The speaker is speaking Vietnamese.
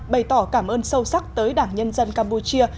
bày tỏ cảm ơn sâu sắc tới đảng nhân dân campuchia